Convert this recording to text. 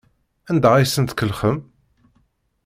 Anda ay asen-tkellxem?